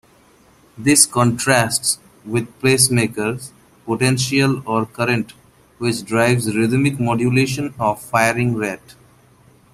This contrasts with pacemaker potential or current which drives rhythmic modulation of firing rate.